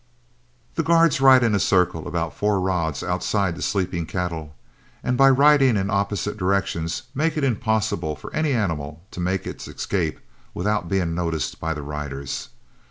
The guards ride in a circle about four rods outside the sleeping cattle, and by riding in opposite directions make it impossible for any animal to make its escape without being noticed by the riders.